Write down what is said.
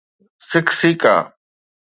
سکسيڪا